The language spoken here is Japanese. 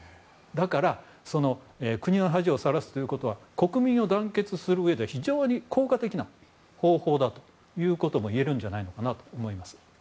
だから国の恥をさらすということは国民を団結するうえで非常に効果的な方法だといえるんじゃないのかなと思います。